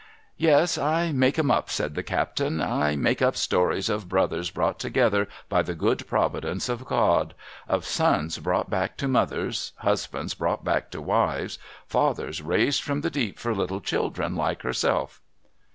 ' Yes ; I make 'em up,' said the captain. ' I make up stories of brothers brought together by the good providence of God, — of sons brought back to mothers, husbands brought back to wives, fathers raised from the deep, for little children like herself.'